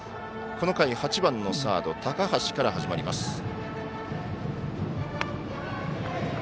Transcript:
この回、８番サード高橋から始まります。